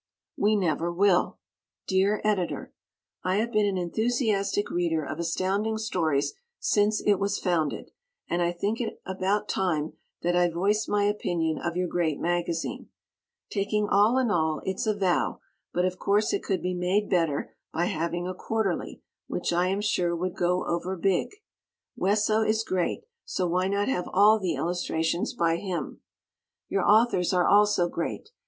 We Never Will Dear Editor: I have been an enthusiastic reader of Astounding Stories since it was founded, and I think it about time that I voiced my opinion of your great magazine. Taking all in all it's a vow, but of course it could be made better by having a quarterly, which I am sure would go over big. Wesso is great, so why not have all the illustrations by him? Your authors are also great.